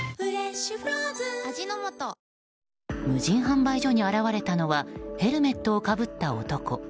無人販売所に現れたのはヘルメットをかぶった男。